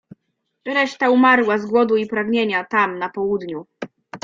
"Reszta umarła z głodu i pragnienia, tam, na południu."